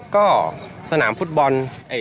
ก็สนามฟุตบอล